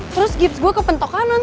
terus gips gue ke pentok kanan